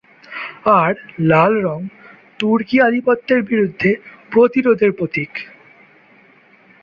আর লাল রঙ তুর্কি আধিপত্যের বিরুদ্ধে প্রতিরোধের প্রতীক।